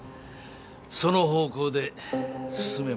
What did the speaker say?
その方向で進めましょう。